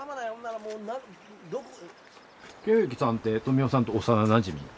清幸さんって富男さんと幼なじみ？